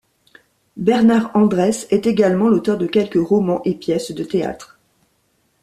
Bernard Andrès est également l'auteur de quelques romans et pièces de théâtre.